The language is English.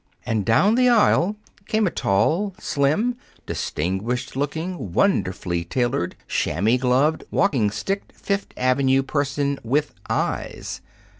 And down the aisle came a tall, slim, distinguished looking, wonderfully tailored, chamois gloved, walking sticked Fifth Avenue person with EYES!